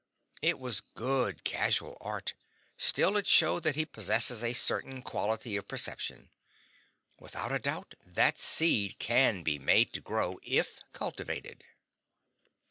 It was good casual art, still it showed that he possesses a certain quality of perception. Without a doubt that seed can be made to grow, if cultivated.